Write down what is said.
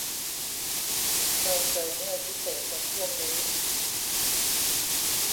เศร้าใจง่ายพิเศษในช่วงนี้